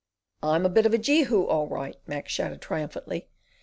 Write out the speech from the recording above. "I'm a bit of a Jehu all right!" Mac shouted triumphantly.